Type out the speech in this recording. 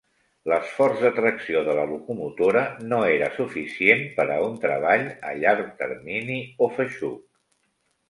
L'esforç de tracció de la locomotora no era suficient per a un treball a llarg termini o feixuc.